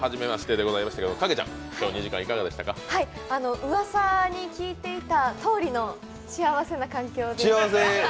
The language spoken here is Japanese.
うわさに聞いていたとおりの幸せな環境で。